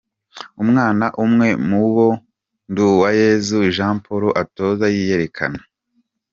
Umwana umwe mu bo Nduwayezu Jean Paul atoza yiyerekana.